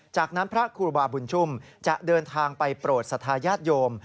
จากนั้นพระครูบาบุญชุมจะเดินทางไปโปรดสัทธาญาติโยม